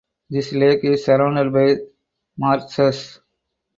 This lake is surrounded by marshes.